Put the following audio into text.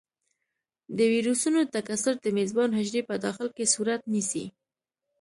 د ویروسونو تکثر د میزبان حجرې په داخل کې صورت نیسي.